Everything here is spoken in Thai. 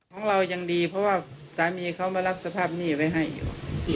ของเรายังดีเพราะว่าสามีเขามารับสภาพหนี้ไว้ให้อยู่